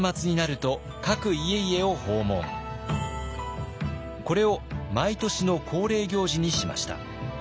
これを毎年の恒例行事にしました。